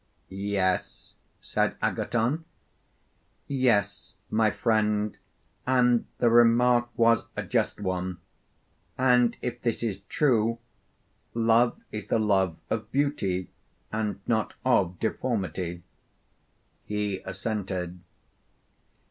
Yes, said Agathon. Yes, my friend, and the remark was a just one. And if this is true, Love is the love of beauty and not of deformity? He assented.